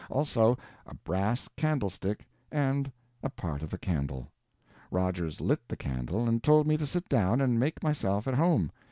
Also a brass candlestick and a part of a candle. Rogers lit the candle, and told me to sit down and make myself at home.